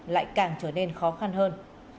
lại càng trở nên khó khăn hơn